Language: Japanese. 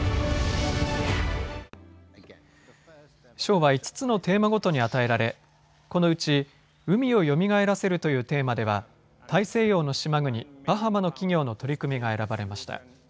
賞は５つのテーマごとに与えられ、このうち海をよみがえらせるというテーマでは大西洋の島国、バハマの企業の取り組みが選ばれました。